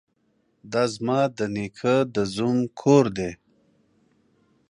ده ځما ده نيکه ده زوم کور دې.